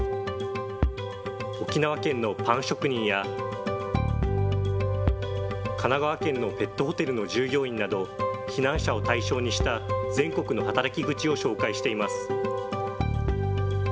沖縄県のパン職人や、神奈川県のペットホテルの従業員など、避難者を対象にした全国の働き口を紹介しています。